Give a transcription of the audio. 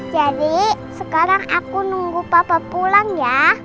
jadi sekarang aku nunggu papa pulang ya